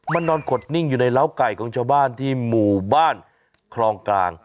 มันนอนขดนิ่งอยู่ในร้าวไก่ของชาวบ้านที่หมู่บ้านคลองกลาง